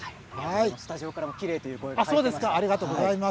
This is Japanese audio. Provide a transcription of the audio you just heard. スタジオからもきれいという声がありましたよ。